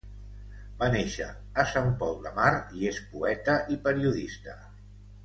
Va néixer a Sant Pol de Mar i és poeta i periodista.